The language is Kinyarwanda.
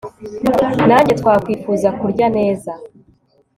nanjye twakwifuza kurya neza